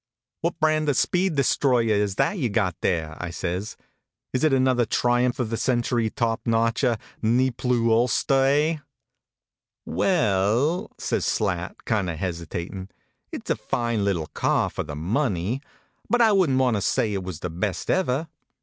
What brand of speed destroyer is that you ve got there? " I says. Is it another triumph of the century, top noteher, ne plus ulster, eh? " We e ell," says Slat, kind of hesitatin ," it s a fine little car for the money ; but I wouldn t want to say it was the best ever.